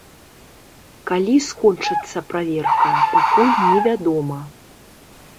Калі скончыцца праверка, пакуль невядома.